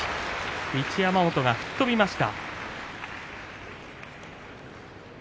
一山本が吹っ飛びました。